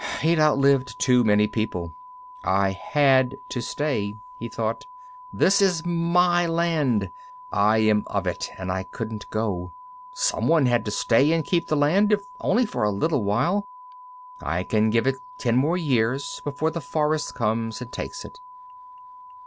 He'd outlived too many people. I had to stay, he thought. _This is my land, I am of it and I couldn't go. Someone had to stay and keep the land, if only for a little while. I can give it ten more years before the forest comes and takes it.